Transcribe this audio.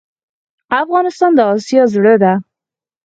افغانستان د اسیا زړه ده